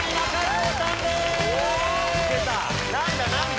何だ？